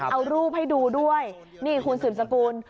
เอารูปให้ดูด้วยนี่คุณสืบสกุล